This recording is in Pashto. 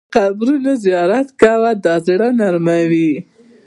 د قبرونو زیارت کوه، دا زړه نرموي.